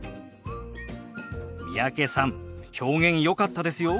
三宅さん表現よかったですよ。